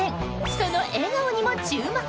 その笑顔にも注目。